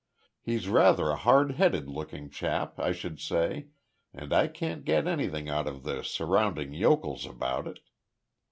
He's rather a hard headed looking chap I should say, and I can't get anything out of the surrounding yokels about it.